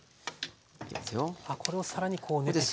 あこれを更にこう練っていくと。